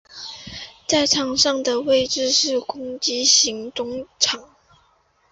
在场上的位置是攻击型中场。